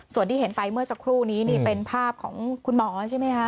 ส่วนที่เห็นไปเมื่อสักครู่นี้นี่เป็นภาพของคุณหมอใช่ไหมคะ